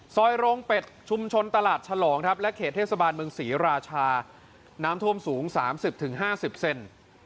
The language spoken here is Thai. โรงเป็ดชุมชนตลาดฉลองครับและเขตเทศบาลเมืองศรีราชาน้ำท่วมสูง๓๐๕๐เซน